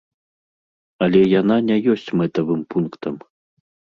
Але яна не ёсць мэтавым пунктам.